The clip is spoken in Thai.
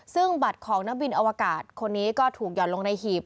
ซึ่งบัตรของนักบินอวกาศคนนี้ก็ถูกหย่อนลงในหีบ